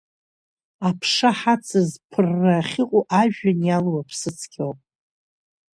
Аԥша ҳацыз, ԥырра ахьыҟоу, ажәҩан иалоу аԥсы цқьоуп.